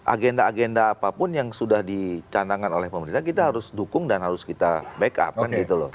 agenda agenda apapun yang sudah dicandangkan oleh pemerintah kita harus dukung dan harus kita backup kan gitu loh